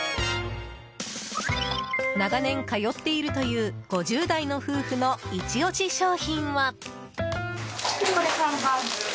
長年通っているという５０代の夫婦のイチオシ商品は。